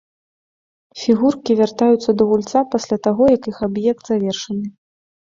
Фігуркі вяртаюцца да гульца пасля таго, як іх аб'ект завершаны.